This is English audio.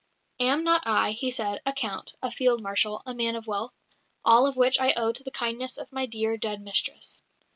"Am not I," he said, "a Count, a Field Marshal, a man of wealth? all of which I owe to the kindness of my dear, dead mistress.